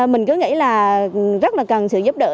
mình cứ nghĩ là rất là cần sự giúp đỡ